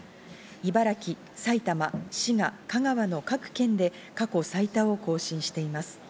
茨城、埼玉、滋賀、香川の各県で過去最多を更新しています。